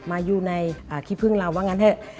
มาอยู่ในขี้พึ่งเราว่างั้นเถอะ